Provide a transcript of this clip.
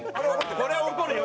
これは怒るよ